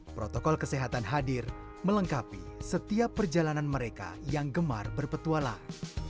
protokol kesehatan hadir melengkapi setiap perjalanan mereka yang gemar berpetualang